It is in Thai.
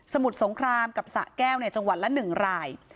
มุดสงครามกับสะแก้วในจังหวัดละ๑ราย